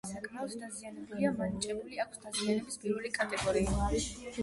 ძეგლი საკმაოდ დაზიანებულია, მინიჭებული აქვს დაზიანების პირველი კატეგორია.